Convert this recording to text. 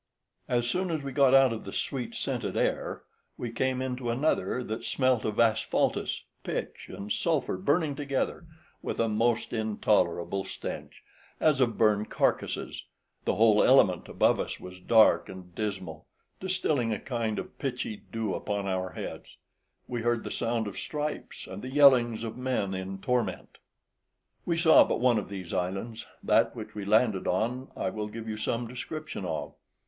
As soon as we got out of the sweet scented air, we came into another that smelt of asphaltus, pitch, and sulphur burning together, with a most intolerable stench, as of burned carcases: the whole element above us was dark and dismal, distilling a kind of pitchy dew upon our heads; we heard the sound of stripes, and the yellings of men in torment. We saw but one of these islands; that which we landed on I will give you some description of.